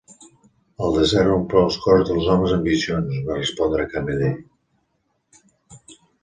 "El desert omple els cors dels homes amb visions", va respondre el cameller.